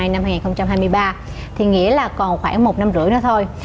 năm hai nghìn hai mươi ba thì nghĩa là còn khoảng một năm rưỡi nữa thôi